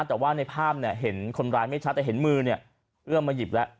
แต่ว่าในภาพเนี่ยเห็นคนร้ายไม่ชัดแต่เห็นมือเนี่ยเอื้อมมาหยิบแล้ว